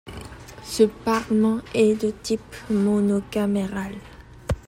Ce parlement est de type monocaméral.